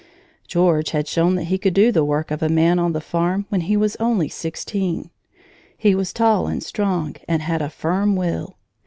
George had shown that he could do the work of a man on the farm when he was only sixteen. He was tall and strong and had a firm will.